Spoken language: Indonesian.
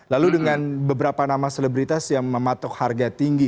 lalu dengan beberapa nama selebritas yang mematok harga tinggi